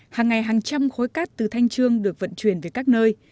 hàng ngày hàng trăm khối cát từ thanh trương được vận chuyển về các nơi